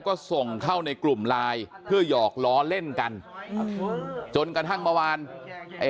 ก็ส่งเข้าในกลุ่มไลน์เพื่อหยอกล้อเล่นกันจนกระทั่งเมื่อวานไอ้